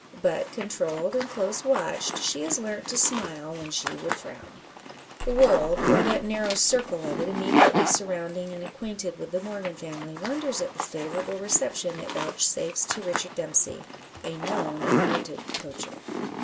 But, controlled and close watched, she has learnt to smile when she would frown. The world or that narrow circle of it immediately surrounding and acquainted with the Morgan family wonders at the favourable reception it vouchsafes to Richard Dempsey a known and noted poacher.